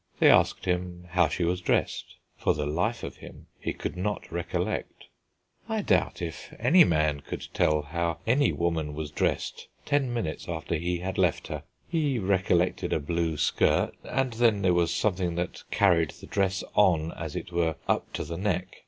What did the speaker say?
They asked him how she was dressed; for the life of him he could not recollect. I doubt if any man could tell how any woman was dressed ten minutes after he had left her. He recollected a blue skirt, and then there was something that carried the dress on, as it were, up to the neck.